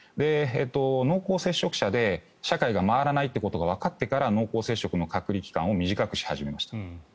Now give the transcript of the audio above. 濃厚接触者で社会が回らないということがわかってから濃厚接触の隔離期間を短くし始めました。